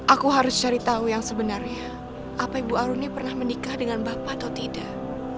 aku harus cari tahu yang sebenarnya apa ibu aruni pernah menikah dengan bapak atau tidak